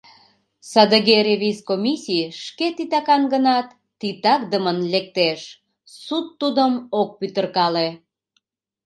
Садыге ревиз комиссий, шке титакан гынат, титакдымын! лектеш, суд тудым ок пӱтыркале.